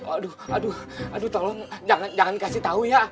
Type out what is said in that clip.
aduh aduh aduh tolong jangan jangan kasih tau ya